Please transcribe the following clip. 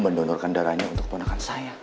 mendonorkan darahnya untuk keponakan saya